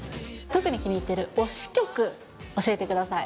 特に気に入っている推し曲を教えてください。